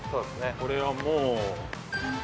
これはもう。